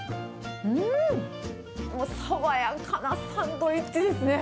もう、爽やかなサンドイッチですね。